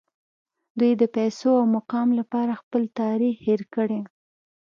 دوی د پیسو او مقام لپاره خپل تاریخ هیر کړی